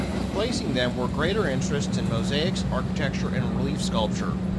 Replacing them were greater interests in mosaics, architecture, and relief sculpture.